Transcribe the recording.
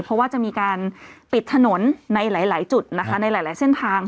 เพราะว่าจะมีการปิดถนนในหลายจุดนะคะในหลายเส้นทาง